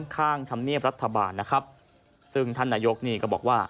ข้างธรรมเนียบรัฐบาลนะครับ